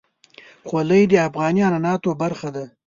خولۍ د افغاني عنعناتو برخه ده.